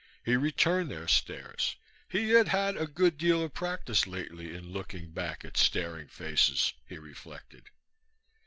He returned their stares; he had had a good deal of practice lately in looking back at staring faces, he reflected.